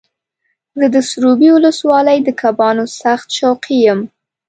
زه د سروبي ولسوالۍ د کبانو سخت شوقي یم.